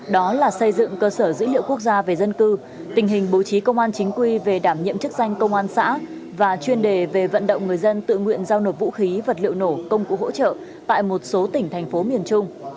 đó là xây dựng cơ sở dữ liệu quốc gia về dân cư tình hình bố trí công an chính quy về đảm nhiệm chức danh công an xã và chuyên đề về vận động người dân tự nguyện giao nộp vũ khí vật liệu nổ công cụ hỗ trợ tại một số tỉnh thành phố miền trung